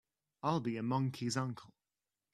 I'll be a monkey's uncle!